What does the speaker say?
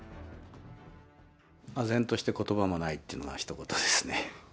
あぜんとしてことばもないっていうのがひと言ですね。